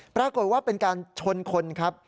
ปรากฏว่าเป็นการชนคนครับ